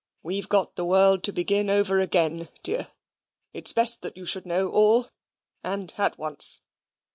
We've got the world to begin over again, dear. It's best that you should know all, and at once."